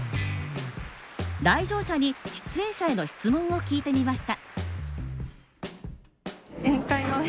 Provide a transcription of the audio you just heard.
来場者に出演者への質問を聞いてみました。